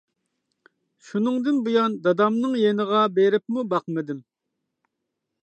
شۇنىڭدىن بۇيان دادامنىڭ يېنىغا بېرىپمۇ باقمىدىم.